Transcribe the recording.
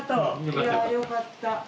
いやあよかった。